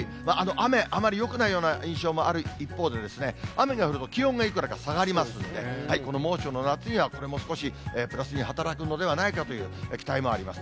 雨、あまりよくないような印象もある一方で、雨が降ると気温がいくらか下がりますんで、この猛暑の夏には、これも少しプラスに働くのではないかという期待もあります。